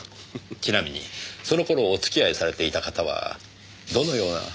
ちなみにその頃お付き合いされていた方はどのような？